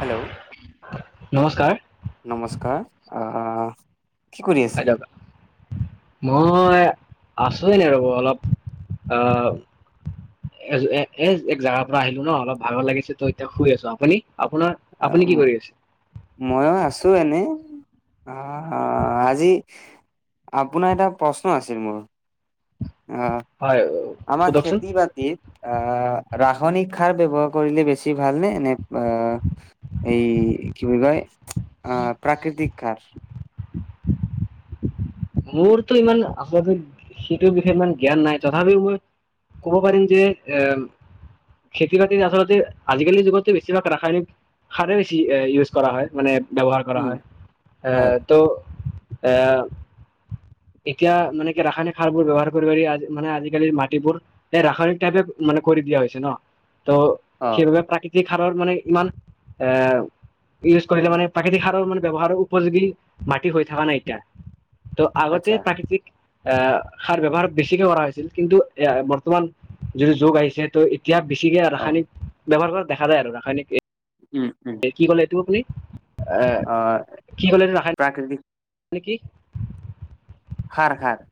Hello নমস্কাৰ নমস্কাৰ আহ অ মই আছো এনেই ৰব অলপ আহ এ এ এ এক জেগাৰ পৰা আহিলো ন অলপ ভালৰ লাগিছে ত এতিয়া শুই আছো আপুনি আপোনাৰ আপুনি কি কৰি আছে মই আছো এনে অ আজি আপোনাৰ এটা প্ৰশ্ন আছিল মোৰ অ হয় আমাৰ সোধকচোন খেতি বাতিত আ ৰাস ৰাাসনিক সাৰ ব্যৱহাৰ কৰিলে বেছি ভালনে নে এই কি বুলি কয়? আহ প্ৰাকৃতিক কাৰ মোৰতো ইমান আচলতে সেইটোৰ বিষয়ে ইমান জ্ঞান নাই তথাপিও মই কব পাৰি যে এ খেতি বাতিত আচলতে আজিকালি যুগতো বেছিভাগ ৰাসায়নিক সাৰ বেছি ইউজ কৰা হয় মানে ব্যৱহাৰ কৰা উম হয় হয় এ তো এ [inaudible] এতিয়া মানে কি ৰাসায়নিক সাৰ বোৰ ব্যৱহাৰ কৰিব পাৰি মানে আজিকালি মাটিবোৰ ৰাসায়নিক টাইপে মানে কৰি দিয়া হৈছে ন ত অ সেইবাবে প্ৰাকৃতিক সাৰৰ মানে ইমান এ ইউজ কৰিলে মানে প্ৰাকৃতিক সাৰৰ মানে ব্যৱহাৰৰ উপযোগী মাটি হৈ থকা নাই এতিয়া ত' আগতে আচ্ছা প্ৰাকৃতিক আহ সাৰ ব্যৱহাৰ বেছিকে কৰা হৈছিল কিন্তু এ বৰ্তমান যদি যোগ আহিছে ত এতিয়া বেছিকে অ ৰাসায়নিক ব্যৱহাৰ কৰা দেখা যায় আৰু ৰাসায়নিক উম উম এ কি কলে এইটো আপুনি অ কি হ'লে ৰাখাই প্ৰাকৃতিক নেকি হাৰ হাৰ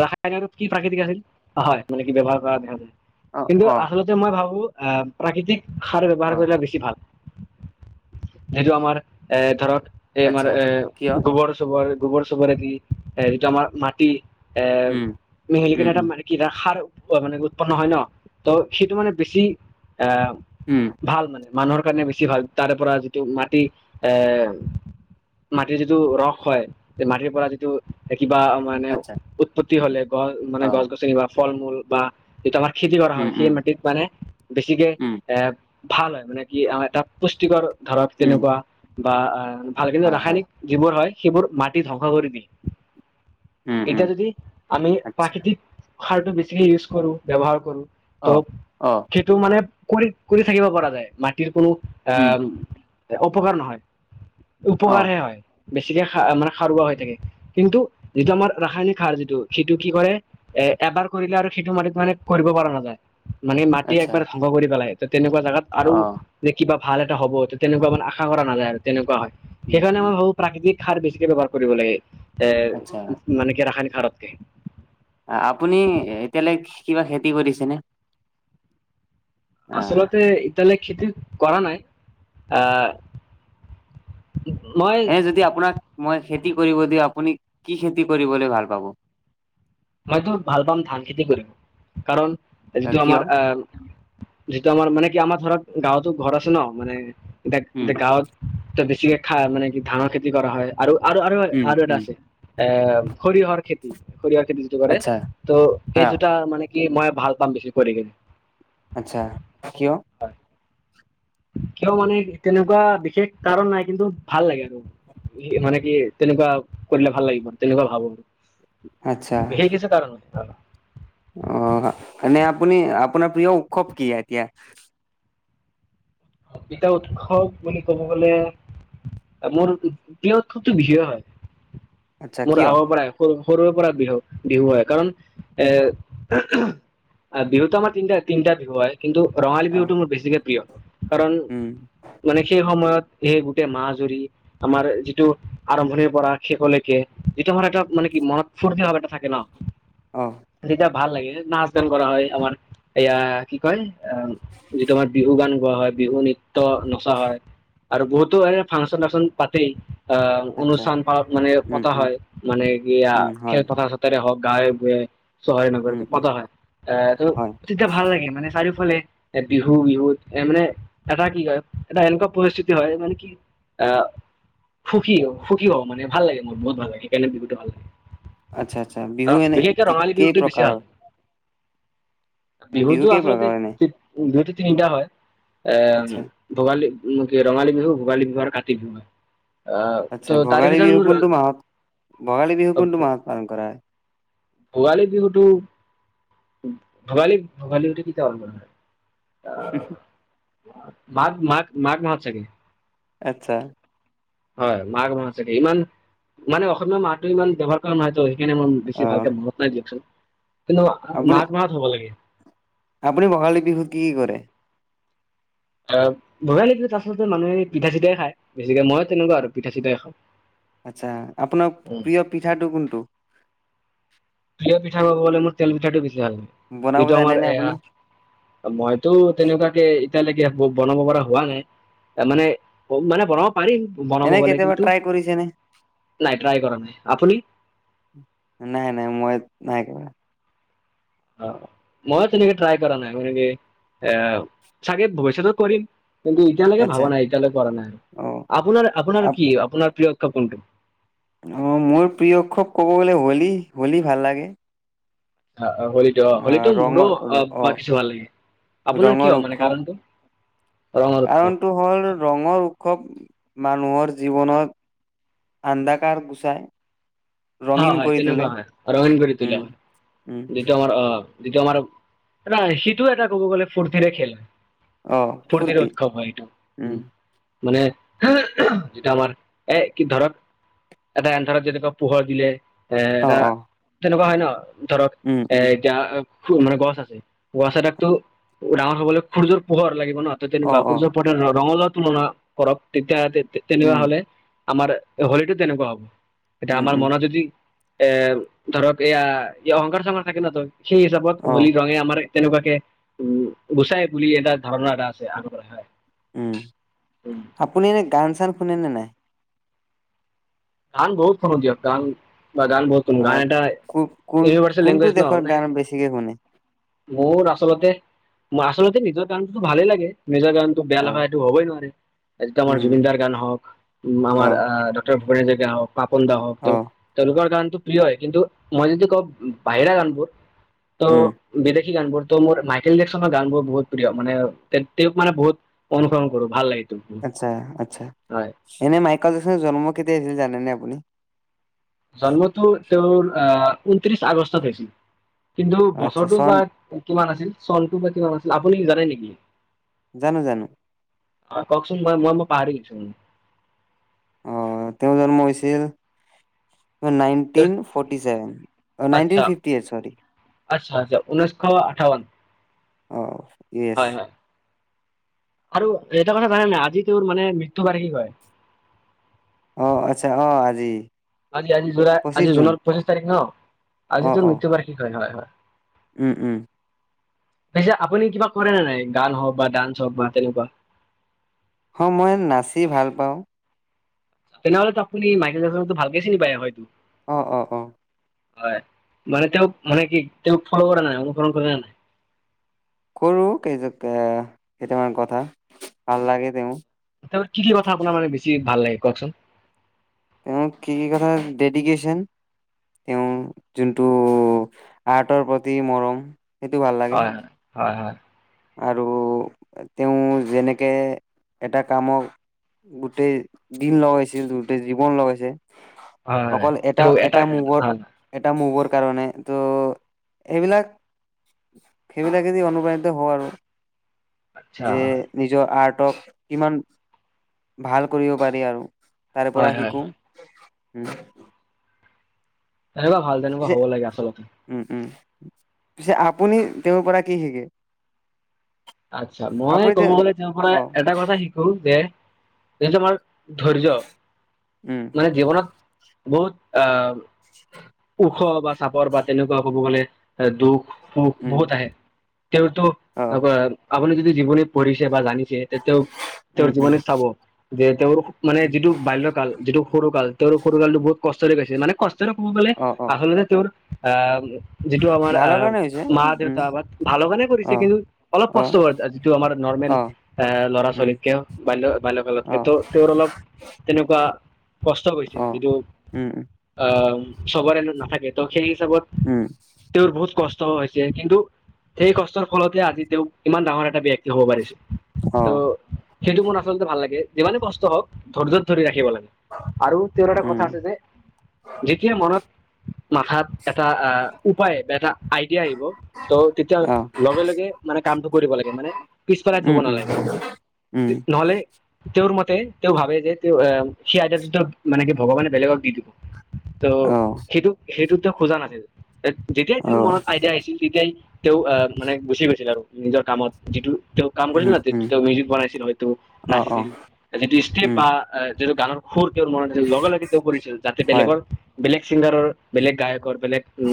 ৰাসায়নিকত কি প্ৰাকৃতিক আছিল হয় মানে কি ব্যৱহাৰ কৰা দেখা যায় অ কিন্তু অ আচলতে মই ভাবো আহ প্ৰাকৃতিক সাৰ ব্যৱহাৰ অ কৰিলে বেছি ভাল। যিটো আমাৰ এ ধৰক এই আমাৰ আচ্ছা এ কিয় চবৰ গোবৰ চবৰেদি এ যিটো আমাৰ মাটি- এ উম উম মেহিলিকনে তাৰ উম মানে কিনে সাৰ অ মানে উৎপন্ন হয় ন ত সেইটো মানে বেছি এ উম ভাল মানে মানুহৰ কাৰণে বেছি ভাল তাৰে পৰা যিটো মাটি এ মাটি যিটো যিটো ৰস হয় মাটিৰ পৰা যিটো কিবা মানে আচ্ছা উৎপত্তি হ'লে গছ অ মানে গছ গছনি বা ফল মূল বা যিটো আমাৰ খেতি কৰা উম হয় সেই উম মাটিত মানে বেছিকে উম এ ভাল হয় মানে কি এটা পুষ্টিকৰ ধৰক উম তেনেকুৱা বা ভাল কিন্তু হয় হয় ৰাসায়নিক যিবোৰ হয় সেইবোৰ মাটি ধ্বংস কৰি দিয়ে। উম উম এতিয়া যদি আমি আচ্ছা প্ৰাকৃতিক সাৰটো বেছিকে ইউজ কৰোঁ ব্যৱহাৰ কৰোঁ। অ ত' অ সেইটো মানে কৰি কৰি থাকিব পৰা যায় মাটিৰ কোনো উম আহ অপকাৰ নহয় অ উপকাৰহে হয়। বেছিকে খা মানে সাৰুৱা হৈ থাকে কিন্তু যিটো আমাৰ ৰাসায়নিক সাৰ যিটো সেইটো কি কৰে এ এবাৰ কৰিলে আৰু সেইটো মালিত মানে কৰিব পৰা নাযায়। মানে মাটি আচ্ছা একবাৰে ধ্বংস কৰি পেলাই তেনেকুৱা জাগাত অ আৰু যে কিবা ভাল এটা হ'ব তেনেকুৱা মানে আশা কৰা নাযায় আৰু তেনেকুৱা হয় উম সেইকাৰণে উম মই ভাবো প্ৰাকৃতিক সাৰ বেছিকে ব্যৱহাৰ কৰিব লাগে এ আচ্ছা মানে কি ৰাসায়নিক সাৰতকে আপুনি এতিয়ালৈ কিবা খেতি কৰি দিছিনে। আচলতে এতালে খেতি কৰা নাই আহ মই এ যদি আপোনাক মই খেতি কৰিব দি আপুনি কি খেতি কৰিবলৈ ভাল পাব মইতো ভাল পাম ধান খেতি কৰি কাৰণ যিটো কিয় আমাৰ আহ যিটো আমাৰ মানে কি আমাৰ ধৰক গাঁৱতো ঘৰ আছে ন মানে এতিয়া উম এয়া গাঁৱত তে ক খা মানে কি ধানৰ খেতি কৰা হয় আৰু আৰু আৰু উম আৰু এটা উম আছে এ সৰিয়হৰ খেতি সৰিয়হৰ খেতি যিটো কৰে আচ্ছা ত' সেই আহ যটা মানে কি মই ভাল পাম বেছি কৰি কিনে আচ্ছা কিয় [inaudible] কিয় মানে তেনেকুৱা বিশেষ কাৰণ নাই কিন্তু ভাল লাগে আৰু মানে কি তেনেকুৱা কৰিলে ভাল লাগিব আৰু তেনেকুৱা ভাবো আৰু আত্ছা বিহেগছে কাৰণ হয় ত অ এনে আপুনি আপোনাৰ প্ৰিয় উৎসৱ কি এতিয়া কবিতা উৎসৱ বুলি ক'ব গলে মোৰ প্ৰিয়ত খতো বিহু হয় আচ্ছা মোৰ কিয় আৰু পৰা এ সৰুৰে পৰা বিহু বিহু হয় কাৰণ এ অ বিহুতো আমাৰ তিনিটা তিনিটা বিহু হয় কিন্তু ৰঙালী অ বিহুটো মোৰ বেছিকৈ প্ৰিয় কাৰণ উম মানে সেই সময়ত সেই গোটেই মাহ জুৰি আমাৰ যিটো আৰম্ভণিৰ পৰা শেষলৈকে যিটো ভাৰ এটা মানে ম ফুৰ্তি থাকে ন অ তেতিয়া ভাল লাগে নাচ গান কৰা হয় আমাৰ এয়া কি কয় অ যিটো আমাৰ বিহু গান গোৱা হয় বিহু নৃত্য নচা হয় আৰু বহুতো এনে ফাংচন াংচন পাতেই আহ আচ্ছা অনুষ্ঠান প মানে উম পতা উম হয় মানে কি উম হয় খেল কথা চতোৰে হওক গাঁৱে বয়ে চহায় নকৰে উম ত উম কতা হয় আহ হয় তয়া ভাল লাগে মে চাই। ফালে এ বিহু বিহুত এ মানে এটা কি হয় এটা এনেকুৱা পৰিস্থিতি হয় মানে কি আহ সুখী হয় সুখী হব মানে ভাল লাগে মোৰ বহুত ভাল লাগে কাৰণে বিহুতটো ভাল লাগে। আচ্ছা আচ্ছা বিহু আহ এনে বিশেষকে তি ৰঙালী কেই বিহুটো বেছি প্ৰকাৰৰ ভাল বিহু বিহুতো কেই প্ৰকাৰৰ এনে আচলতেতি বিহুত তিনিটা হয় এ আচ্ছা ভোগালী উ কি ৰঙালী বিহু ভোগালী বিহু আৰু কাতি বিহু হয় আহ ত আচ্ছা তাৰে ভোগালী ভিতৰত বিহু মোৰ কোনটো মাহত ভোগালী বিহু কোনটো মাহত পালন কৰা হয় ভোগালী বিহুটো ভোগালী ভোগালী বিহুত কিতিয়া অল মন হয় হু হু মঘ মাঘ মাঘ মাহত চাগে আচ্ছা হয় মাঘ মাহ চকে ইমান মানে অসমীয়া মাহটো ইমান ব্যৱহাৰ কৰা নহয়তো। সেইকাৰণে মন বেছি অ ভাল। দিয়কচোন, কিন্তু আপুনি মাঘ মাহত হ'ব লাগে। আপুনি ৰঙালী বিহুত কি-কি কৰে? আহ ৰঙালী বিহুত আচলতে মানুহে পিঠা-চিঠাই খাই বেছিকে। মইও তেনেকুৱা আৰু পিঠা-চিঠাই খাওঁ। আচ্ছা, আপোনাৰ প্ৰিয় পিঠাটো কোনটো? প্ৰিয় পিঠা কব গলে মোৰ তেল পিঠাটো বেছি বনাব এইটো আমাৰ জানেনে আপুনি এয়া মইতো তেনেকুৱাকে এতিয়ালৈকে একো বনাব পৰা হোৱা নাই। মানে মানে বনাব পাৰিম বনাব এনে গলে। কেতিয়াবা কিন্তু ট্ৰাই কৰিছেনে নাই ট্ৰাই কৰা নাই। আপুনি? নাই, নাই। মইও নাই কৰা। অ মই তেনেকে ট্ৰাই কৰা নাই [unintelligible] আ চাগে ভৱিষ্যতত কৰিম। কিন্তু এতিয়ালৈকে আচ্ছা ভাবা নাই, এতিয়ালৈ কৰা নাই। আৰু অ আপোনাৰ আপোনাৰ আপ কি? আপোনাৰ প্ৰিয় উৎসৱ কোনটো? অ মোৰ প্ৰিয় উৎসৱ ক'ব গ'লে হোলী, হোলী ভাল লাগে। হলীটো অ আহ হলীটো। মোৰো ৰঙৰ অ কিছু ভাল লাগে আপোনাৰ ৰঙৰ কিয় মানে, উৎসৱ কাৰণটো? ৰঙৰ উৎসৱ কাৰণটো হ'ল ৰঙৰ উৎসৱ। মানুহৰ জীৱনত আন্দাকাৰ গুচায়। হয়, হয়। তেনেকুৱা হয়। ৰঙীন কৰি উম তোলো হয় উম যিটো আমাৰ অ যিটো আমাৰ ন সিটো এটা কব গলে ফূৰ্তিৰে খেল। অ ফুৰ্তিৰ ফূৰ্তি উৎসৱ হয় এইটো। উম মানে যেতিয়া আমাৰ এ কি ধৰক এটা এন ধৰক যেন ধৰক পোহৰ দিলে এ অ এটা অ তেনেকুৱা হয় ন ধৰক উম এ উম [unintelligible] মানে গছ আছে, গছ এটাকটো ডাঙৰ হবলে সূৰ্য্যৰ পোহৰ লাগে হব ন ত অ তেনেকুৱা। অ সূৰ্য পোহৰে ৰঙালাও তুলনা কৰক তেতিয়া তেনেকুৱা উম হলে আমাৰ হলিটো তেনেকুৱা হ'ব। এতিয়া উম আমাৰ উম মনত যদি এ ধৰক এইয়া অহংকাৰ- চহংকাৰ থাকে ন ত সেই হিচাপত অ হোলী ৰঙে আমাৰ তেনেকুৱাকে উ গুচাই বুলি এটা ধাৰণা এটা আছে। আ হয়। উম উম আপুনি এনে গান-চান শুনেনে নাই? গান বহুত শুনোঁ দিয়ক, গান বা গান বহুত শুনো। অ গান এটা কো কোন ইউনিভাৰ্চেল কোনটো লেংগুৱেজ ন দেশৰ মানে গান বেছিকে শুনে মোৰ আচলতে- আচলতে নিজৰ গানটো ভালেই লাগে। নিজৰ গানতো বেয়া অ লগা সেইটো হ'বই নোৱাৰে। আমাৰ উম জুবিনদাৰ গান হওক, উ অ আমাৰ আহ ডক্টৰ ভূপেন হাজৰিকা হওক, পাপন দা হ। অ তেওঁ তেওলোকৰ গান প্ৰিয় হয়, কিন্তু মই যদি কওঁ বাহিৰা গানবোৰ ত উম বেলেগ সি গান বোৰতো মোৰ মাইকেল জেকচনৰ গানবোৰ বহুত প্ৰিয় মানে তেওঁক মানে বহুত অনুসৰণ কৰো, ভাল লাগে। তেওঁক বহুত। আচ্ছা আচ্ছা, হয় এনে মাইকেল জেকছনৰ জন্ম কেতিয়া হৈছিল জানেনে আপুনি? জন্মটো তেওঁৰ আহ ঊনত্ৰিছ আগষ্টত হৈছিল। কিন্তু আচ্ছা বছৰটো চন বা কিমান আছিল চনটো বা কিমান আছিল? আপুনি জানে নেকি? জানো, জানো। আহ কওকচোন। মই-মই-মই পাহৰি গৈছো মানে। অ তেওঁ জন্ম হৈছিল নাইন্টিন ফৰ্টি ছেভেন, অ আচ্ছা নাইন্টিন ফিফটিহে, চৰি। আচ্ছা, আচ্ছা। ঊনৈছশ আঠাৱন। অঁ য়েছ। হয় হয় আৰু এটা কথা জানে নাই? আজি তেওঁৰ মানে মৃত্যু বাৰ্ষিক হয়। অ, আচ্ছা। অ আজি আজি আজি জুলাই, পঁচিছ আজি জুন জুনৰ পঁচিছ তাৰিখ ন? অ', আজিতো অ', মৃত্যু বাৰ্ষিক হয়। হয়, হয়। উম, উম। পিছে আপুনি কিবা কৰেনে নাই? গান হওক বা ডান্স হওক বা তেনেকুৱা? হ মই নাচি ভাল পাওঁ তেনেহলেতো আপনি মাইকেল জেকছনক্ তো ভালকে চিনি পায় হয়তো। অ অ অ হয় মানে তেওঁক মানে কি তেওঁক ফ'ল কৰা নাই অনুসৰণ কৰে নে নাই কৰো কেইযা এ কেইটামান কথা ভাল লাগে তেওঁ তেওঁৰ কি কি কথা আপোনাৰ মানে বেছি ভাল লাগে কওকচোন? তেওঁ কি কি কথা ডেডিকেচন তেওঁ যোনটো আৰ্টৰ প্ৰতি মৰম সেইটো ভাল লাগে হয় হয় হয় হয় আৰু তেওঁ যেনেকে এটা কামক,, গোটেই দিন লগাইছিল, গোটেই জীৱন লগাইছে, হয় অকল এটা তেওঁ এটা মোভত হয় এটা মোভৰ কাৰণে ত সেইবিলাক সেইবিলাক দি অনুপ্ৰাণিত কৰো আচ্ছা যে নিজৰ আৰ্টক কিমান ভাল কৰিব পাৰি আৰু তাৰে হয় পৰা হয় শিকো উম তেনেকুৱা ভাল তেনেকুৱা পিছে হব লাগে আচলতে উম উম পিছে আপুনি তেওঁৰ পৰা কি শিকে আতচ্ছা মই আপুনি তে ক'ব গলে তেওৰ পৰা অ এটা কথা শিকো যে যিটো আমাৰ ধৈৰ্য উম মানে জীৱনত বহুত আঁ [unintelligible] ওখ বা চাপৰ বা তেনেকুৱা ক'ব গ'লে এ দুখ সুখ উম বহুত আহে তেওঁতো অ আপুনি যদি জীৱনী পঢ়িছে বা জানিছে যে তেওঁ তেওঁৰ উম উম জীৱনী চাব যে তেওঁৰ মানে উম যিটো বাল্যকাল যিটো সৰু কাল তেওঁৰ সৰু কালটো বহুত কষ্ট কষ্টৰে গৈছে মানে কষ্টৰে কব গলে অ অ আচলতে তেওঁৰ আহ যিটো আমাৰ ভালৰ আহ কাৰণে হৈছে মা উম দেউতা বা ভালৰ কাৰণে অ কৰিছে কিন্তু অলপ অ কষ্ট কৰে যিটো আমাৰ নৰ্মেল অ এ ল'ৰা উম ছোৱালীৰ কেয়াৰ বাল্যকালত অ সেইতো তেওঁৰ অলপ তেনেকুৱা কষ্ট হৈছে অ যিটো উম আহ চবৰে এইটো নাথাকে ত সেই উম তেওঁৰ বহুত কষ্ট হৈছে কিন্তু সেই কষ্টৰ ফলতে আজি তেওঁ ইমান ডাঙৰ এটা ব্যক্তি হব পাৰিছে অ ত' সেইটো মোৰ আচলতে ভাল লাগে যিমানে কষ্ট হওক ধৈৰ্যৰ ধৰি ৰাখিব লাগে আৰু তেওঁৰ এটা কথা উম আছে যে যেতিয়া মনত মাথাত এটা উপায় বা এটা আইডিয়া আহিব তো তেতিয়া অ লগে লগে মানে কামটো কৰিব লাগে মানে পিছ পেলাই থব উম উম নালাগে উম নহলে তেওঁৰ মতে তেওঁ ভাবে যে তেওঁ আহ সেই আইদিয়াটো মানে কি ভগৱানে বেলেগক দি দিব ত অ সেইটো সেইটোত তেওঁ খোজা নাছিল যেতিয়াই অ তেওঁৰ মনত আইডিয়া আহিছিল তেতিয়াই তেওঁ আহ মানে গুচি গৈছিল আৰু নিজৰ কামত যিটো তেওঁ কাম কৰিছিল উম ন উম তেওঁ মিউজিক বনাইছিল হয়তো অ অ নাচিছিল যিটো ষ্টেপ উম বা যিটো গানৰ সুৰ তেওঁৰ মনত আছিল লগে লগে তেওঁ কৰিছিল যাতে হয় বেলেগৰ বেলেগ চিংগাৰৰ বেলেগ গায়কৰ বেলেগ উ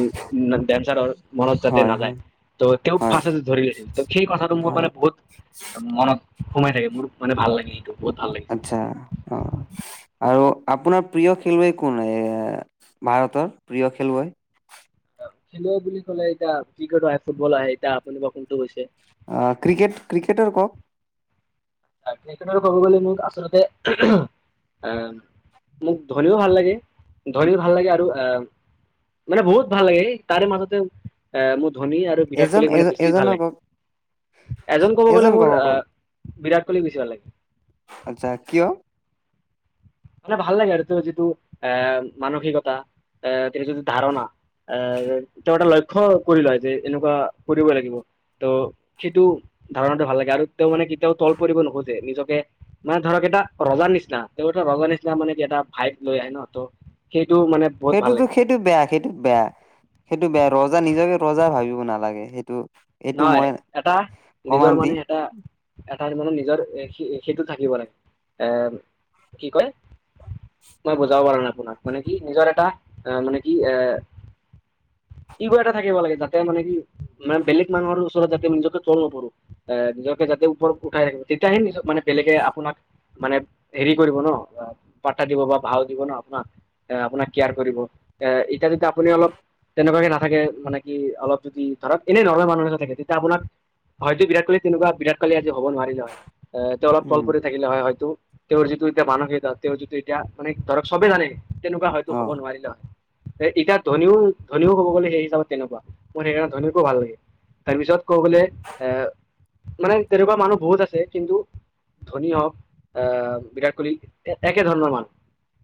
ডানচাৰ মনত যাতে হয় নাযায় হয় ত' তেওঁ হয় ফাষ্টতে ধৰি ৰাখিছিল ত সেই কথাটো মোৰ মানে হয় বহুত মনত সোমাই থাকে মোৰ মানে ভাল লাগে এইটো আচ্ছা অ' আৰু আপোনাৰ প্ৰিয় খেলুৱৈ কোন এ ভাৰতৰ প্ৰিয় খেলুৱৈ খেলুৱৈ বুলি ক'লে এতিয়া ক্ৰিকেট হয় ফুটবল আহে এতিয়া আপুনি বা কোনটো কৈছে অ' ক্ৰিকেট ক্ৰিকেটৰ কওক ক্ৰিকেটৰ ক'ব গ'লে মোক আচলতে এহ মোক ধনিও ভাল লাগে ধনিও ভাল লাগে আৰু এহ মানে বহুত ভাল লাগে এই তাৰে মাজতে এহ মোৰ ধনী আৰু বিৰাট কোহলী এজন এ মানে বেছি ভাল এজনৰ লাগে কওক এজন ক'ব গ'লে মোৰ বিৰাট কোহলি বেছি ভাল লাগে আটচ্ছা কিয় মানে ভাল লাগে আৰু তোৰ যিটো আহ মানসিকতা আহ ত যিটো ধাৰণা তেওঁ এটা লক্ষ্য কৰি লয় যে এনেকুৱা কৰিবই লাগিব ত' সেইটো ধাৰণাতে ভাল লাগে আৰু তেওঁ মানে কেতিয়াও তল পৰিব নোখোজে নিজকে মানে ধৰক এটা ৰজাৰ নিচিনা তেওঁ ভগৱান নিচিনা মানে এটা ভাইবচ লৈ আহে ন ত সেই সেইটোতো সেইটো বেয়া সেইটো বেয়া সেইটো বেয়া ৰজা নিজকে ৰজা ভাবিব নালাগে সেইটো এইটো নহয় মই এটা নিজৰ অমান্তি মানে এটা এটা মানে নিজৰ সেইটো থাকিব লাগে এ কি কয় মই বুজাব পাৰো নাই তোমাক মানে কি নিজৰ এটা আহ মানে কি এ কিবা এটা থাকিব লাগে যাতে মানে কি মানে বেলেগ মানুহৰ ওচৰত যাতে নিজকে তল নপৰো এ নিজকে যাতে ওপৰত উাই ৰাখো তেতিয়াহে নিজ মানেলেগে আপোনাৰ মানেঃ হেৰি কৰিব ন পাৰা দিব বা ভাও দিব ন আপোনাক আপোনাক কেয়াৰ কৰিব এ এতিয়া যদি আপুনি অলপ তেনেকুৱাকে নাথাকে মানে কি অলপ যদি ধৰক এনে ধৰণৰ মান থাকে তেতিয়া আপোনাক হয়ত বিৰাট কহলি তেনেকুৱা বিৰাট কহলি হ'ব নোৱাৰিলে হয় এ তেওঁ অলপ তল উম পৰি থাকিলে হয় হয়তো তেওঁৰ যিটো এতিয়া মানসিতা তেওঁৰ যিটো এতিয়া মানে ধৰক চবে জানে তেনেকুৱা হয়তো হব অ নোৱাৰিলে হয় এ এতিয়া ধনীও ধনীও কব গ'লে সেই হিচাপত তেনেকুৱা মোৰ সেইকাৰণে ধনীকো ভাল লাগে তাৰপিছত কব গলে এ মানে তেনেকুৱা মানুহ বহুত আছে কিন্তু ধনী হওক আহ বিৰাট কোহলি একে ধৰণৰ মানুহ